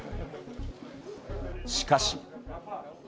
しかし。